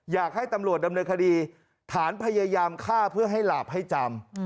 อยากให้ตำรวจดำเนินคดีฐานพยายามฆ่าเพื่อให้หลาบให้จำ